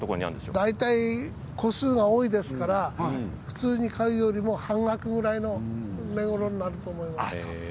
個数が多いですから普通に買うよりも半額ぐらいのお値ごろになると思います。